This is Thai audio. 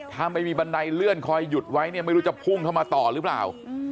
ถ้าไม่มีบันไดเลื่อนคอยหยุดไว้เนี่ยไม่รู้จะพุ่งเข้ามาต่อหรือเปล่า